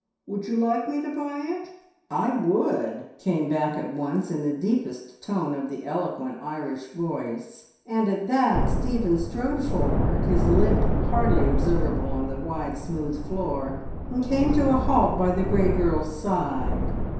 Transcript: Would you like me to buy it?" "I would!" came back at once in the deepest tone of the eloquent Irish voice, and at that Stephen strode forward, his limp hardly observable on the wide, smooth floor, and came to a halt by the grey girl's side.